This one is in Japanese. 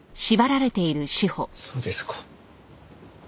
そうですか。